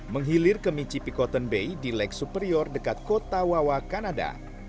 menghilir ke michipikoton bay di leg superior dekat kota wawa kanada